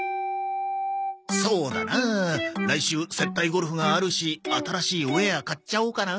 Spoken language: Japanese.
そうだな来週接待ゴルフがあるし新しいウェア買っちゃおうかな。